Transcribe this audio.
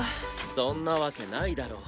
そんなわけないだろ。